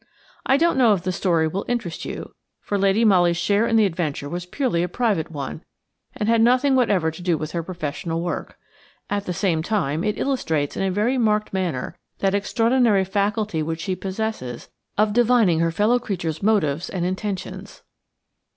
I don't know if the story will interest you, for Lady Molly's share in the adventure was purely a private one and had nothing whatever to do with her professional work. At the same time it illustrates in a very marked manner that extraordinary faculty which she possesses of divining her fellow creatures' motives and intentions.